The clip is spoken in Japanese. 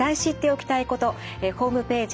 ホームページ